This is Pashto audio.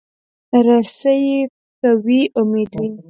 رسۍ که وي، امید وي.